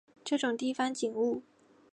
这种地方景物